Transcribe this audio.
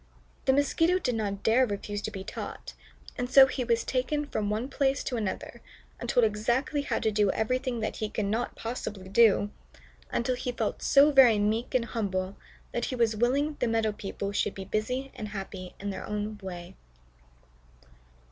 The Mosquito did not dare refuse to be taught, and so he was taken from one place to another, and told exactly how to do everything that he could not possibly do, until he felt so very meek and humble that he was willing the meadow people should be busy and happy in their own way.